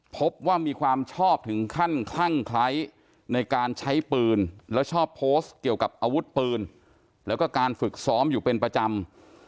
พบว่ามีความชอบถึงขั้นคลั่งไคร้ในการใช้ปืนแล้วชอบโพสต์เกี่ยวกับอาวุธปืนแล้วก็การฝึกซ้อมอยู่เป็นประจำ